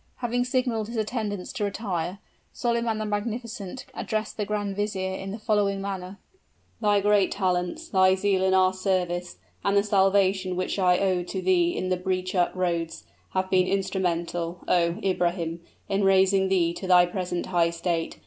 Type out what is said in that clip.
Having signaled his attendants to retire, Solyman the Magnificent addressed the grand vizier in the following manner: "Thy great talents, thy zeal in our service, and the salvation which I owed to thee in the breach at Rhodes, have been instrumental, oh, Ibrahim! in raising thee to thy present high state.